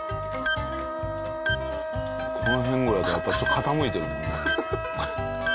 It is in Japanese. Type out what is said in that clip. この辺ぐらいでやっぱ傾いてるもんね。